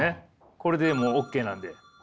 これでもうＯＫなんで。